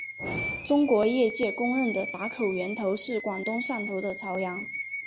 中国业界公认的打口源头是广东汕头的潮阳。